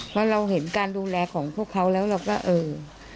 เพราะเราเห็นการดูแลของพวกเขาแล้วเราก็เออ